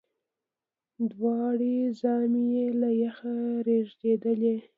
دواړي زامي یې له یخه رېږدېدلې